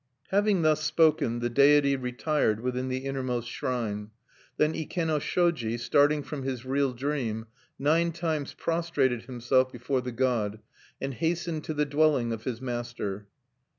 Having thus spoken, the deity retired within the innermost shrine. Then Ikenoshoji, starting from his real dream, nine times prostrated himself before the god, and hastened to the dwelling of his master.